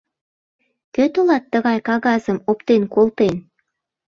— Кӧ тылат тыгай кагазым оптен колтен?